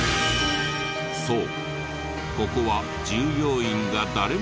そう。